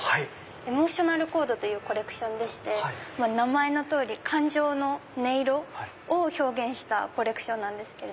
ＥＭＯＴＩＯＮＡＬＣＨＯＲＤというコレクションでして名前の通り感情の音色を表現したコレクションなんです。